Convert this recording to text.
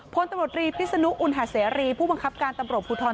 พลตำรวจรีพิศนุอุณหาเสรีผู้บังคับการตำรวจภูทร